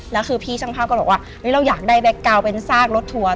แล้วคือพี่ช่างภาพก็บอกว่าเราอยากได้แก๊กกาวน์เป็นซากรถทัวร์